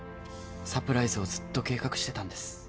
サプライズをずっと計画してたんです